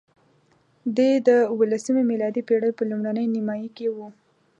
دی د اوولسمې میلادي پېړۍ په لومړۍ نیمایي کې وو.